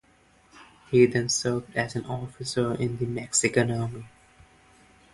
He then served as an officer in the Mexican army.